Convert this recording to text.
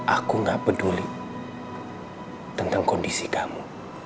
aku gak peduli tentang kondisi kamu